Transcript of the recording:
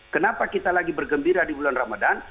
kenapa kita lagi bergembira di bulan ramadan